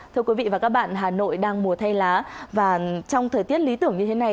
thưa quý vị và các bạn hà nội đang mùa thay lá và trong thời tiết lý tưởng như thế này